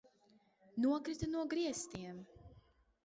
Nokrita no griestiem!